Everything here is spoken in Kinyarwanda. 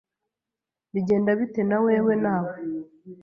Bigenda bite nawewe nawe ?